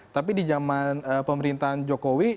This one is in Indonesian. tapi di zaman pemerintahan jokowi